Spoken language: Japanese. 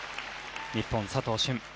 日本、佐藤駿